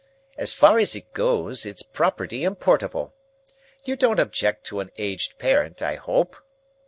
As far as it goes, it's property and portable. You don't object to an aged parent, I hope?"